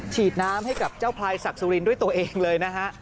ฉีดน้ำให้กับเจ้าพลายศักดิ์สุรินทร์ด้วยตัวเองเลยนะฮะ